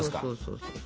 そうそう。